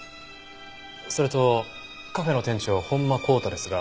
それとカフェの店長本間航太ですが。